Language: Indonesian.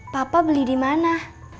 papa beli dimana